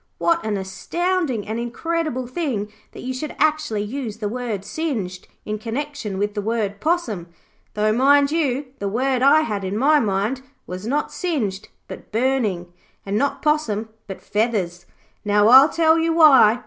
What an astounding and incredible thing that you should actually use the word "singed" in connexion with the word "possum". Though mind you, the word I had in my mind was not "singed", but "burning". And not "possum", but "feathers". Now, I'll tell you why.